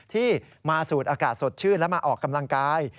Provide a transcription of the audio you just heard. ที่มาสูดอากาศสดชื่นและมาออกกำลังกาย